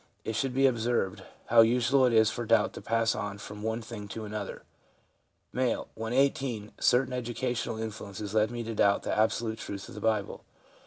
It should be observed how usual it is for doubt to pass on from one thing to another. M. 'When 18 certain educational influences led me to doubt the absolute truth of the Bible.